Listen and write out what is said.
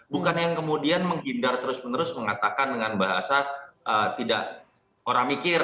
bukan yang kemudian menghindar terus menerus mengatakan dengan bahasa tidak orang mikir